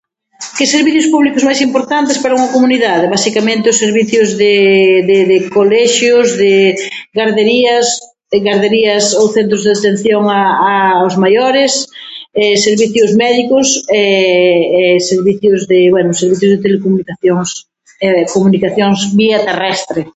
Que servicios públicos son máis importantes para unha comunidade? Basicamente, os servizos de de de colexios, de garderías, garderías ou centros de atención a a aos mayores, servicios médicos e, servicios de, bueno, servicios de telecomunicacións e comunicacións vía terrestre.